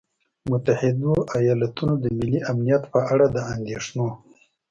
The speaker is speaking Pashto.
متحدو ایالتونو د ملي امنیت په اړه د اندېښنو